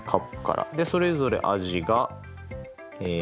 でそれぞれ味がえ